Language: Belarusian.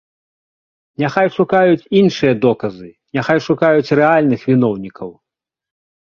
Няхай шукаюць іншыя доказы, няхай шукаюць рэальных віноўнікаў.